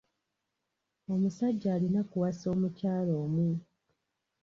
Omusajja alina kuwasa omukyala omu.